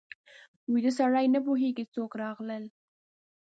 ویده سړی نه پوهېږي څوک راغلل